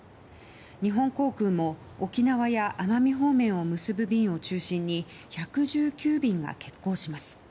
日本航空も、沖縄や奄美方面を結ぶ便を中心に１１９便が欠航します。